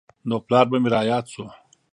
نو پلار به مې راياد سو.